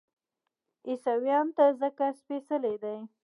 عیسویانو ته ځکه سپېڅلی دی.